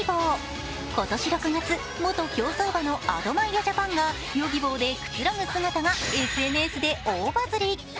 今年６月、元競走馬のアドマイヤジャパンがＹｏｇｉｂｏでくつろぐ姿がＳＮＳで大バズり。